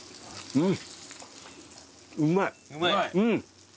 うん。